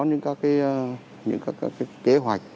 những các kế hoạch